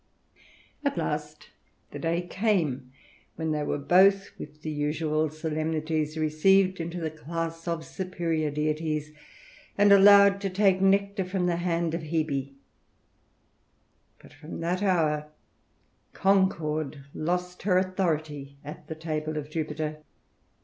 At last the day came, when they were both, with the usual solemnities, received into the class of superiour deities, and allowed to take nectar from the hand of Hebe. But from that hour Concord lost her authority at the table of Jupiter.